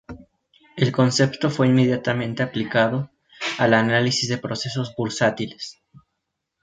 El concepto fue inmediatamente aplicado al análisis de procesos bursátiles.